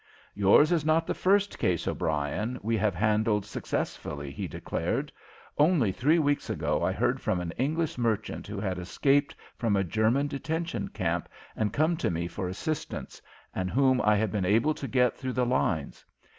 "Yours is not the first case, O'Brien, we have handled successfully," he declared. "Only three weeks ago I heard from an English merchant who had escaped from a German detention camp and come to me for assistance, and whom I had been able to get through the lines.